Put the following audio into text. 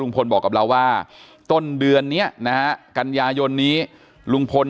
บอกกับเราว่าต้นเดือนนี้นะฮะกันยายนนี้ลุงพล